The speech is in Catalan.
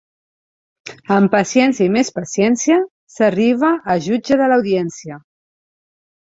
Amb paciència i més paciència s'arriba a jutge de l'audiència.